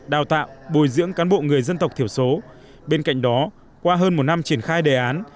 đào tạo bồi dưỡng cán bộ người dân tộc thiểu số bên cạnh đó qua hơn một năm triển khai đề án